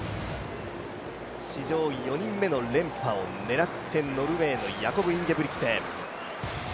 史上４人目の連覇を狙ってノルウェーのヤコブ・インゲブリクセン。